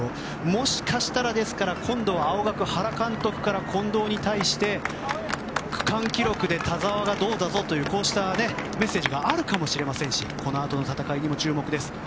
もしかしたら、ですから今度は青学、原監督から近藤に対して区間記録で田澤がどうだぞというこうしたメッセージがあるかもしれませんしこのあとの戦いにも注目です。